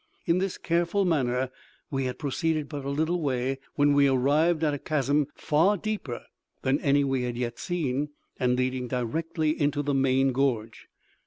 In this careful manner we had proceeded but a little way, when we arrived at a chasm far deeper than any we had yet seen, and leading directly into the main gorge.